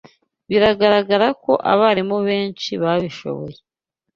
Biragaragara ko abarimu benshi babishoboye